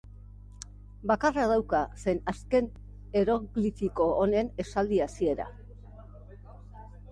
Bakarra dauka zen azken eroglifiko honen esaldi hasiera.